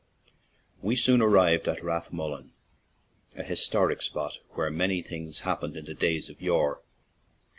We soon arrived at Rathmullen, a his toric spot where many things happened in the days of yore.